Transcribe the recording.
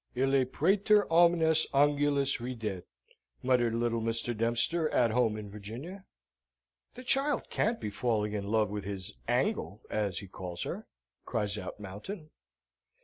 "Ille praeter omnes angulus ridet," muttered little Mr. Dempster, at home in Virginia. "The child can't be falling in love with his angle, as he calls her!" cries out Mountain.